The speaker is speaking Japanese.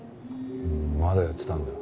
まだやってたんだ。